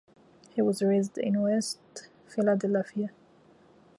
He was raised in West Philadelphia.